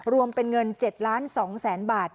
รวมเป็นเงิน๗๒๐๐๐๐บาท